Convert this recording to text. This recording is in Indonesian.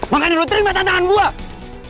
makanya lo terima tantangan gue